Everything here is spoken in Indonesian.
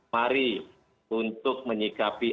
mari untuk menyikapi